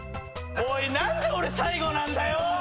何で俺最後なんだよ